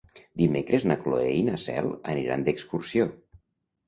Dimecres na Cloè i na Cel aniran d'excursió.